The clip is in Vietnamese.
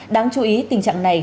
đáng chú ý tình trạng này